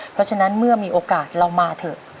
เพราะฉะนั้นเมื่อมีโอกาสเรามาเถอะ